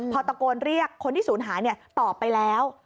พอตะโกนเรียกคนที่ศูนย์หายตอบไปแล้ว